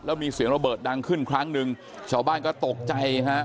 แล้วมีเสียงระเบิดดังขึ้นครั้งหนึ่งชาวบ้านก็ตกใจฮะ